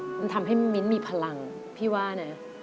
มันทำให้มิ้นมีพลังพี่ว่านะ